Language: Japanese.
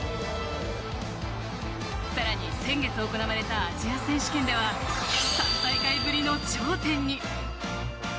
さらに先月行われたアジア選手権では３大会ぶりの頂点に。